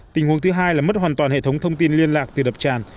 tình huống thứ hai là mất hoàn toàn hệ thống thông tin liên lạc từ đập tràn